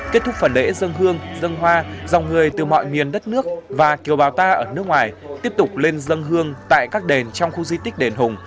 kết thúc phần lễ dân hương dân hoa dòng người từ mọi miền đất nước và kiều bào ta ở nước ngoài tiếp tục lên dân hương tại các đền trong khu di tích đền hùng